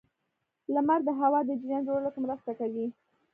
• لمر د هوا د جریان جوړولو کې مرسته کوي.